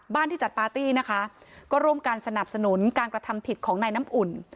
ที่จัดปาร์ตี้นะคะก็ร่วมกันสนับสนุนการกระทำผิดของนายน้ำอุ่น